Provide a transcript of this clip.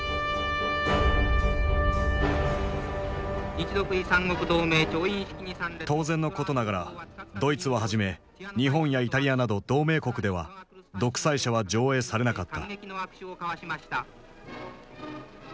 日独伊三国同盟調印式に参列当然のことながらドイツをはじめ日本やイタリアなど同盟国では「独裁者」は上映されなかった。